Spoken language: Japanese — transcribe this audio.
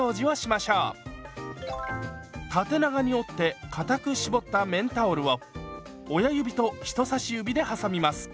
縦長に折ってかたく絞った綿タオルを親指と人さし指ではさみます。